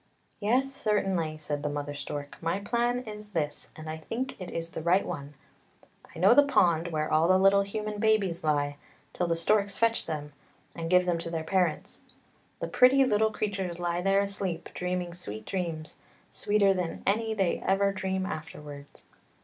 " Yes, certainly," said the mother stork. " My plan is this, and I think it is the right one! I know the pond where all the little human babies lie, till the storks fetch them, and give them to their parents. The pretty little creatures lie there asleep, dreaming sweet dreams, sweeter than any they ever dream afterwards.